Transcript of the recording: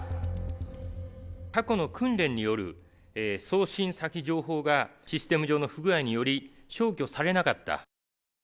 過去の訓練による送信先情報が、システム上の不具合により、消去されなかった。